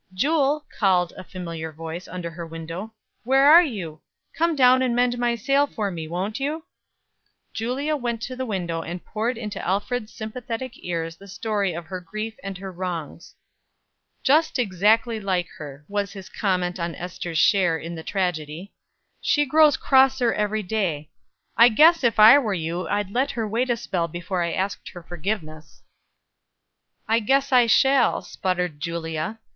"Jule," called a familiar voice, under her window, "where are you? Come down and mend my sail for me, won't you?" Julia went to the window and poured into Alfred's sympathetic ears the story of her grief and her wrongs. "Just exactly like her," was his comment on Ester's share in the tragedy. "She grows crosser every day. I guess, if I were you, I'd let her wait a spell before I asked her forgiveness." "I guess I shall," sputtered Julia.